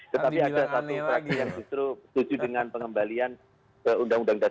tapi ada satu fraksi yang justru setuju dengan pengembalian uu empat puluh lima